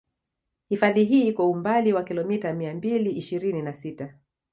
Hifadhi hii iko umbali wa kilometa mia mbili ishirini na sita